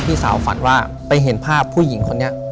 พี่สาวฝันว่าไปเห็นภาพผู้หญิงคนนี้